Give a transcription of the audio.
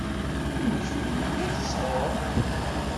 Lmektub yugi ad tt-sɛuɣ.